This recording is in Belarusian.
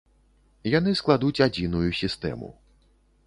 Яны складуць адзіную сістэму.